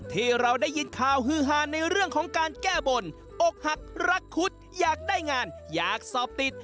ที่เราได้ยินข่าวฮือฮาในเรื่องของการแก้บนอกหักรักคุดอยากได้งานอยากสอบติด